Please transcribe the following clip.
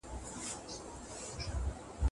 ښه چلند د کاري چاپیریال لپاره اړین دی.